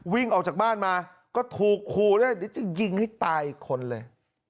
วิ่งออกจากบ้านมาก็ถูกครูด้วยนี่จะยิงให้ตายคนเลย